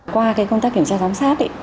qua công tác kiểm tra giám sát